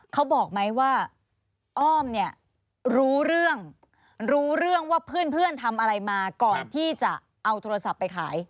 เขาบอกไหมว่าอ้อมเนี่ยรู้เรื่องรู้เรื่องว่าเพื่อนทำอะไรมาก่อนที่จะเอาโทรศัพท์ไปขาย